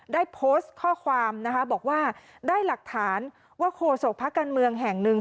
ได้โพสต์ข้อความนะคะบอกว่าได้หลักฐานว่าโคศกพักการเมืองแห่งหนึ่ง